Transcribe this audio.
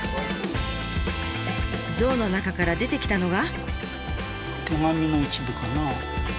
像の中から出てきたのが。